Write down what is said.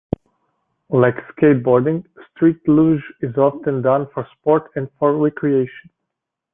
Like skateboarding, street luge is often done for sport and for recreation.